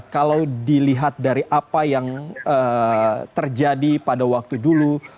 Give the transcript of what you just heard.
kalau dilihat dari apa yang terjadi pada waktu dulu